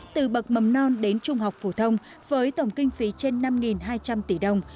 từ bậc mầm non đến trung học phổ thông với tổng kinh phí trên năm hai trăm linh tỷ đồng